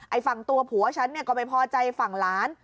ฝั่งตัวผัวฉันเนี่ยก็ไม่พอใจฝั่งหลาน